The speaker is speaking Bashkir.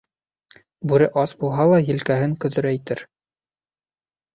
Бүре ас булһа ла елкәһен көҙөрәйтер.